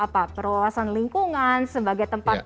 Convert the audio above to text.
perluasan lingkungan sebagai tempat